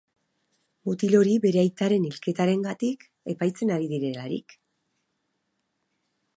Mutil hori bere aitaren hilketarengatik epaitzen ari direlarik.